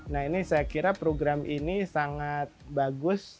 nah ini saya kira program ini sangat bagus